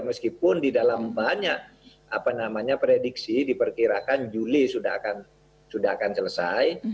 meskipun di dalam banyak prediksi diperkirakan juli sudah akan selesai